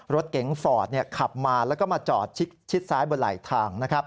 รถเก๋งฟอร์ดขับมาแล้วก็มาจอดชิดซ้ายบนไหลทาง